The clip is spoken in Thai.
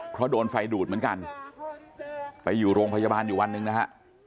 เพราะโดนไฟดูดเหมือนกันไปอยู่โรงพยาบาลอยู่วันหนึ่งนะฮะ